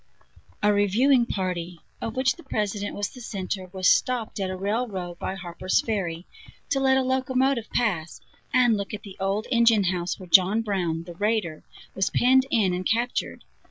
A reviewing party, of which the President was the center, was stopped at a railroad by Harper's Ferry, to let a locomotive pass, and look at the old engine house where John Brown, the raider, was penned in and captured.